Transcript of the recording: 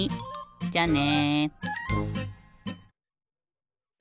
じゃあね。